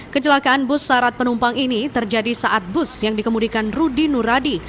kecelakaan bus syarat penumpang ini terjadi saat bus yang dikemudikan rudy nuradi